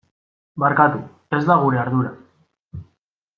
Barkatu, ez da gure ardura.